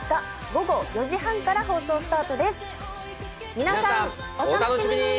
皆さんお楽しみに！